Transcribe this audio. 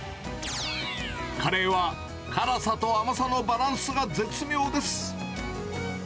カレーは辛さと甘さのバランスが絶妙です。